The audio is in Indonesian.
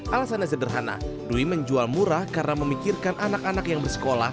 alasannya sederhana dwi menjual murah karena memikirkan anak anak yang bersekolah